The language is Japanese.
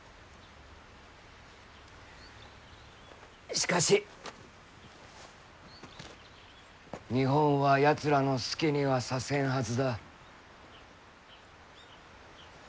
しかし日本はやつらの好きにはさせんはずだ。